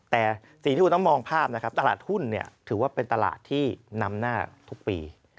แต่สิ่งที่คุณต้องมองภาพนะครับตลาดหุ้นถือว่าเป็นตลาดที่นำหน้าทุกปี